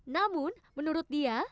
namun menurut dia